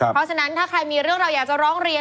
เพราะฉะนั้นถ้าใครมีเรื่องเราอยากจะร้องเรียน